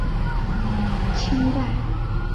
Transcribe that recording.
巍焕楼的历史年代为清代。